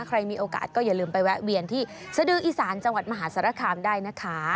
ใครมีโอกาสก็อย่าลืมไปแวะเวียนที่สดืออีสานจังหวัดมหาสารคามได้นะคะ